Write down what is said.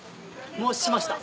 もうしました。